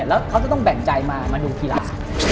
แล้วเขาจะต้องแบ่งใจมามาดูกีฬา